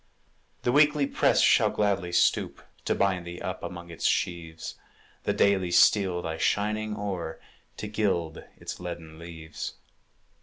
The Weekly press shall gladly stoop To bind thee up among its sheaves; The Daily steal thy shining ore, To gild its leaden leaves.